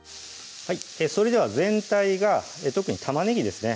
それでは全体が特に玉ねぎですね